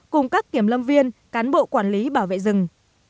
cùng các kiểm lâm viên cán bộ quản lý bảo vệ rừng